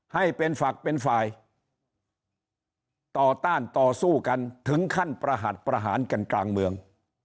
ให้เป็นฝักเป็นฝ่ายต่อต้านต่อสู้กันถึงขั้นประหัสประหารกันกลางเมือง